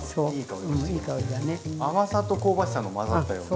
甘さと香ばしさの混ざったような。